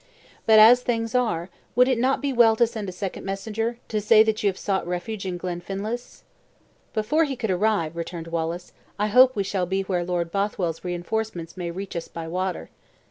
But as things are, would it not be well to send a second messenger, to say that you have sought refuge in Glenfinlass?" "Before he could arrive," returned Wallace, "I hope we shall be where Lord Bothwell's reinforcements may reach us by water.